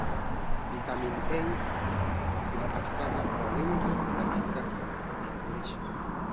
Lakini utajiri huo haukutiririka kwa watu masikini